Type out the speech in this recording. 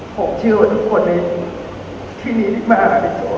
ผมชื่อทุกคนในที่นี่มากพี่โจมรักพี่โจมทุกคน